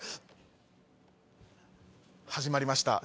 始まりました！